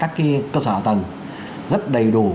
các cái cơ sở hạ tầng rất đầy đủ